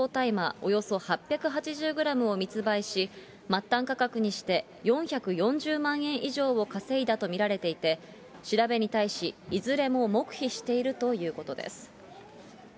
およそ８８０グラムを密売し、末端価格にして４４０万円以上を稼いだと見られていて、調べに対し、いずれも黙秘しているということです。